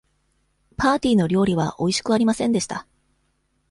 パーティーの料理はおいしくありませんでした。